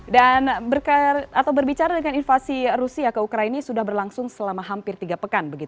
dan berbicara dengan invasi rusia ke ukraini sudah berlangsung selama hampir tiga pekan